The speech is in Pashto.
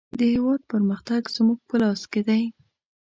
د هېواد پرمختګ زموږ په لاس کې دی.